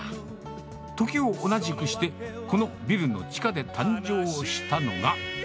時を同じくして、このビルの地下で誕生したのが。